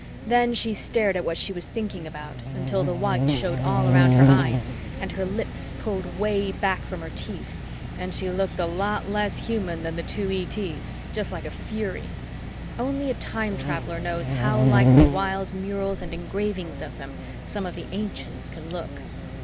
Then she stared at what she was thinking about until the whites showed all around her eyes and her lips pulled way back from her teeth and she looked a lot less human than the two ETs, just like a fury. Only a time traveler knows how like the wild murals and engravings of them some of the ancients can look.